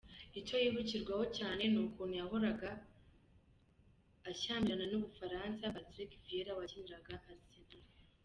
Icyo yibukirwaho cyane ni ukuntu yahoraga ashyamira n’umufaransa Patrick Vieira wakiniraga Arsenal.